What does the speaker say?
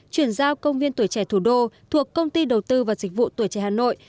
chuyển giao công viên tuổi trẻ thủ đô thuộc công ty đầu tư và dịch vụ tuổi trẻ hà nội